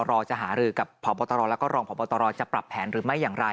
ที่ผู้ช่วยผอบอตรจะหารือกับผอบอตรและก็รองผอบอตรจะปรับแผนหรือไม่อย่างไร